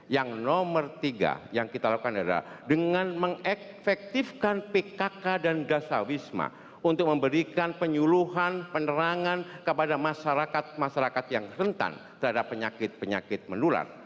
yang nomor tiga yang kita lakukan adalah dengan mengefektifkan pkk dan dasar wisma untuk memberikan penyuluhan penerangan kepada masyarakat masyarakat yang rentan terhadap penyakit penyakit menular